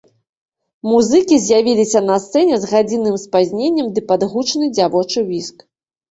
Музыкі з'явіліся на сцэне з гадзінным спазненнем ды пад гучны дзявочы віск.